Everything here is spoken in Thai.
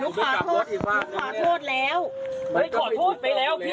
นุกมาร้านนี้